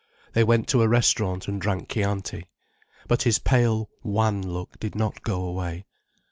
They went to a restaurant, and drank chianti. But his pale, wan look did not go away.